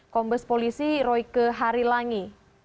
kombes polisi royke harilangi